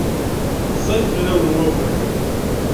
Ẓẓay fell-awen wawal.